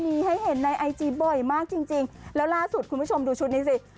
มีให้เห็นในไอจีบ่อยมากจริงจริงแล้วล่าสุดคุณผู้ชมดูชุดนี้สิ